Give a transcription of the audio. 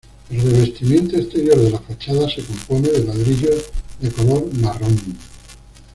El revestimiento exterior de la fachada se compone de ladrillos de color marrón.